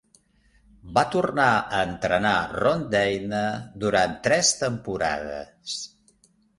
Va tornar a entrenar Ron Dayne durant tres temporades.